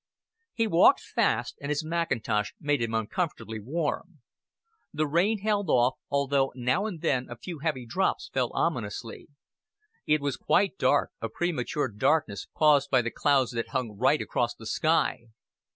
He walked fast, and his mackintosh made him uncomfortably warm. The rain held off, although now and then a few heavy drops fell ominously. It was quite dark a premature darkness caused by the clouds that hung right across the sky.